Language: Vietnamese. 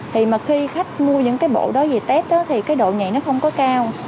thì mà khi khách mua những cái bộ đó về test thì cái độ nhạy nó không có cao